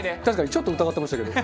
ちょっと疑ってましたけど。